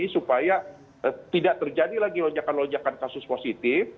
supaya tidak terjadi lagi lonjakan lonjakan kasus positif